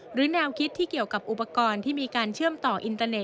แนวคิดที่เกี่ยวกับอุปกรณ์ที่มีการเชื่อมต่ออินเตอร์เน็